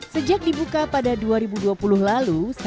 sejak dibuka pada dua ribu dua puluh lalu